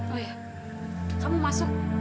oh iya kamu masuk